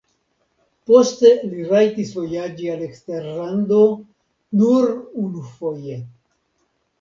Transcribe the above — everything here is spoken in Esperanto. Poste li rajtis vojaĝi al eksterlando nur unufoje.